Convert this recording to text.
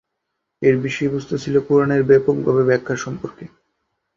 এর বিষয়বস্তু ছিল কুরআনের ব্যাপকভাবে ব্যাখ্যা সম্পর্কে।